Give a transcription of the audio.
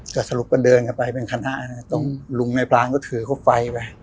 ก็สรุปก็เดินกันไปเป็นคณะตรงลุงในพลังก็ถือเขาไฟไป